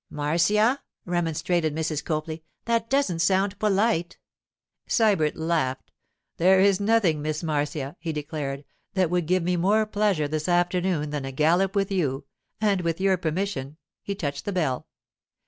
'Marcia,' remonstrated Mrs. Copley, 'that doesn't sound polite.' Sybert laughed. 'There is nothing, Miss Marcia,' he declared, 'that would give me more pleasure this afternoon than a gallop with you; and with your permission——' he touched the bell.